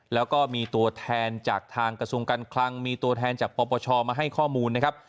แล้วก็มีตัวแทนจากทางกระทรวงการคลังมีตัวแทนจากปปชมาให้ข้อมูลนะครับ